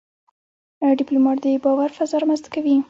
ډيپلومات د باور فضا رامنځته کوي.